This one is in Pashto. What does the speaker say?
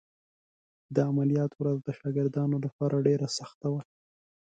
د عملیات ورځ د شاګردانو لپاره ډېره سخته وه.